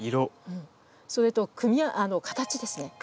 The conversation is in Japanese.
それと「形」ですね。